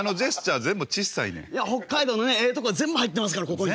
北海道のねええとこ全部入ってますからここに。